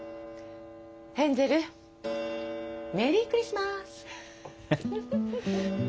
ヘンゼルメリー・クリスマス！